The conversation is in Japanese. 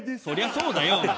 そりゃそうだよ！